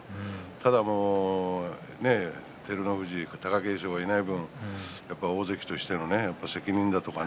ただ照ノ富士、貴景勝がいない分大関としての責任だとか